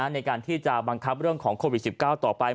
ในการที่จะบังคับเรื่องของโควิด๑๙ต่อไป